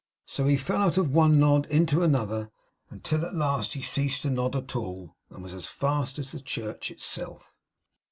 So he fell out of one nod into another until at last he ceased to nod at all, and was as fast as the church itself.